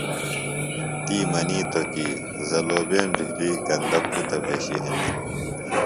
تی منیتو کی زلوبیم جُھلیۡ گندہ پُھتہ بھشیۡ ہینہ۔